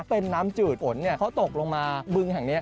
เป็นน้ำจืดฝนเขาตกลงมาบึงแห่งนี้